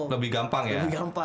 lebih gampang ya